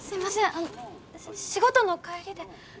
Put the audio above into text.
あの仕事の帰りで。